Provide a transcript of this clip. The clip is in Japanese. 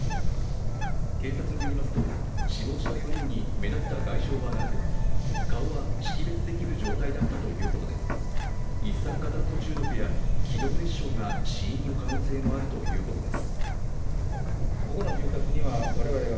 警察によりますと、死亡した４人に目立った外傷はなく顔は識別できる状態だったということで一酸化炭素中毒や気道熱傷が死因の可能性もあるということです。